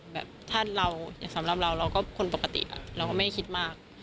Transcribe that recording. แบบถ้าเราอย่างสำหรับเราเราก็คนปกติเราก็ไม่ได้คิดมาก